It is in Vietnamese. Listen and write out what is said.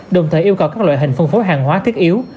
đồng thời yêu cầu các loại hình phân phối hàng hóa thiết yếu